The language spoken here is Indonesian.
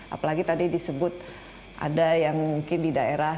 apalagi tadi disebut ada yang mungkin di daerah